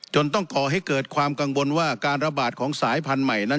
ต้องก่อให้เกิดความกังวลว่าการระบาดของสายพันธุ์ใหม่นั้น